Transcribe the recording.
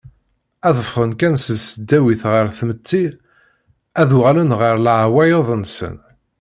Ad ffɣen kan seg tesdawit ɣer tmetti ad uɣalen ɣer leɛwayed-nsen.